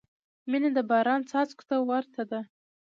• مینه د باران څاڅکو ته ورته ده.